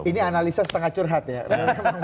ini analisa setengah curhat ya